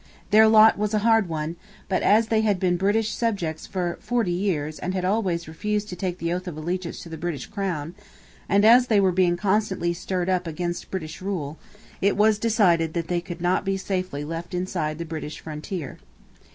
Their lot was a hard one, but as they had been British subjects for forty years and had always refused to take the oath of allegiance to the British crown, and as they were being constantly stirred up against British rule, it was decided that they could not be safely left inside the British frontier.